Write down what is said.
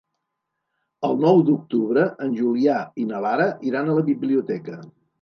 El nou d'octubre en Julià i na Lara iran a la biblioteca.